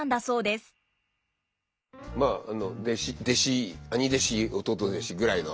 弟子兄弟子弟弟子ぐらいの。